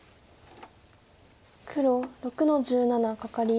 黒６の十七カカリ。